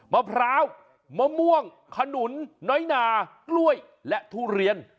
มะพร้าวมะม่วงขนุนน้อยนากล้วยและทุเรียน